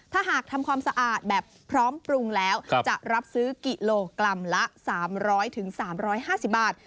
ถ้าหากทำความสะอาดแบบพร้อมปรุงแล้วครับจะรับซื้อกิโลกรัมละสามร้อยถึงสามร้อยห้าสิบบาท